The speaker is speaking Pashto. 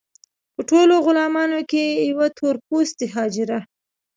په ټولو غلامانو کې یوه تور پوستې حاجره.